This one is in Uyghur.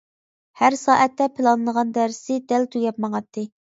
ھەر سائەتتە پىلانلىغان دەرسى دەل تۈگەپ ماڭاتتى.